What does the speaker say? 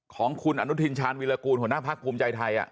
ของคุณอนุทินชาญวิรากูลหัวหน้าพักภูมิใจไทย